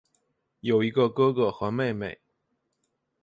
有一个哥哥和妹妹。